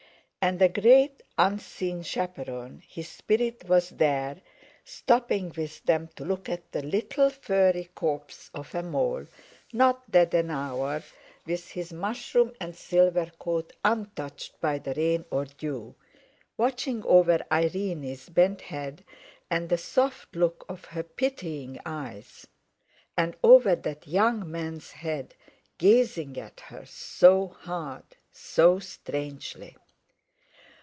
And a great unseen chaperon, his spirit was there, stopping with them to look at the little furry corpse of a mole, not dead an hour, with his mushroom and silver coat untouched by the rain or dew; watching over Irene's bent head, and the soft look of her pitying eyes; and over that young man's head, gazing at her so hard, so strangely.